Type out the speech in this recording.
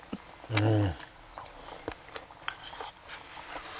うん。